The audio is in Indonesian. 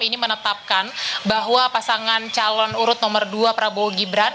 ini menetapkan bahwa pasangan calon urut nomor dua prabowo gibran